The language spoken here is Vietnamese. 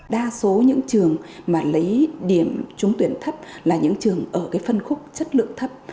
đa số những trường mà lấy điểm trúng tuyển thấp là những trường ở cái phân khúc chất lượng thấp